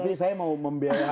tapi saya mau membiayai dulu nih